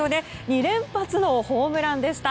２連発のホームランでした。